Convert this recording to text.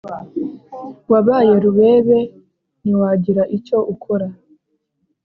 wabaye rubebe niwagira icyo ukora